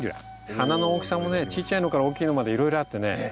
花の大きさもねちいちゃいのから大きいのまでいろいろあってね。